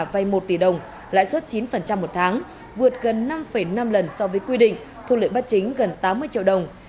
vay một tỷ đồng lãi suất chín một tháng vượt gần năm năm lần so với quy định thu lợi bất chính gần tám mươi triệu đồng